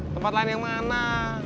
tempat lain yang mana